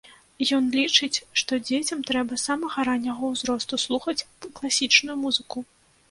Ён лічыць, што дзецям трэба з самага ранняга ўзросту слухаць класічную музыку.